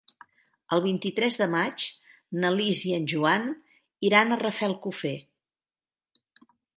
El vint-i-tres de maig na Lis i en Joan iran a Rafelcofer.